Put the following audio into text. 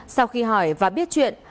sau khi hỏi và biết chuyện